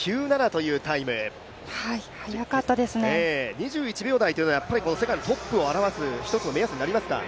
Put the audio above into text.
２１秒台というのは世界のトップを表す一つの目安となりますか？